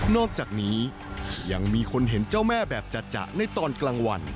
อกจากนี้ยังมีคนเห็นเจ้าแม่แบบจัดในตอนกลางวัน